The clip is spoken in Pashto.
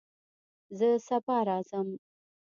زه سبا راځم